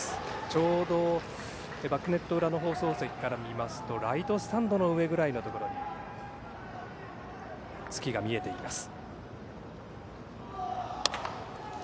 ちょうどバックネット裏の放送席から見ますとライトスタンドの上くらいのところに月が見えています。